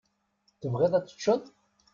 Tebɣiḍ ad teččeḍ?